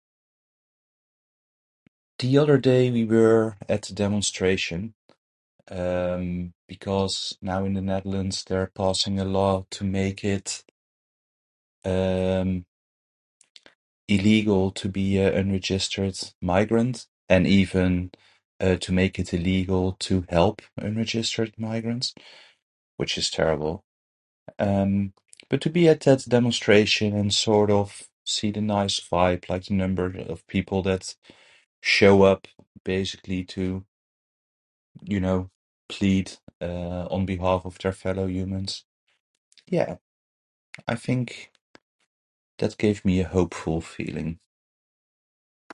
The other day we were at a demonstration, um, because now in the Netherlands they're passing a law to make it, um, illegal to be an unregistered migrant, and even, uh, to make it illegal to help unregistered migrants, which is terrible. Um, but to be at that demonstration, and sort of see the nice fight like the number of people that show up basically to, you know, plead, uh, on behalf of their fellow humans. Yeah, I think that gave me a hopeful feeling.